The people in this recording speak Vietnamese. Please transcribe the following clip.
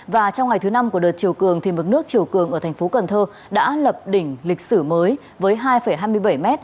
và trong ngày thứ năm của đợt chiều cường thì mực nước chiều cường ở thành phố cần thơ đã lập đỉnh lịch sử mới với hai hai mươi bảy m